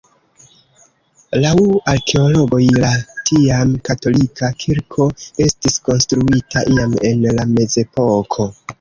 Laŭ arkeologoj la tiam katolika kirko estis konstruita iam en la mezepoko.